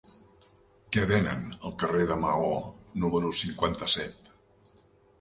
Què venen al carrer de Maó número cinquanta-set?